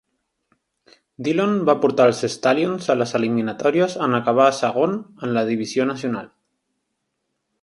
Dhillon va portar als Stallions a les eliminatòries en acabar segon en la Divisió Nacional.